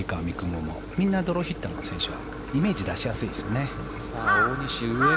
夢もみんなドローヒッターの選手はイメージ出しやすいですよね。